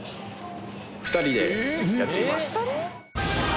２人でやっています。